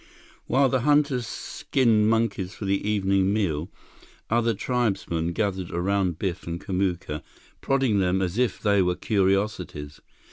While the hunters skinned monkeys for the evening meal, other tribesmen gathered around Biff and Kamuka, prodding them as if they were curiosities.